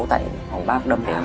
tại phòng bác đâm em